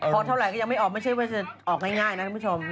พอเท่าไหร่ก็ยังไม่ออกไม่ใช่ว่าจะออกง่ายนะท่านผู้ชม